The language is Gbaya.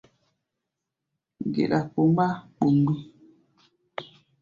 Geɗa kpomgbá kpomgbí.